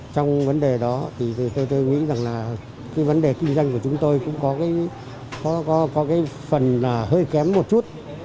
trong vấn đề đó tôi nghĩ vấn đề kinh doanh của chúng tôi cũng có phần hơi kém một chút